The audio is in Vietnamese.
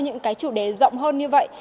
những chủ đề rộng hơn như vậy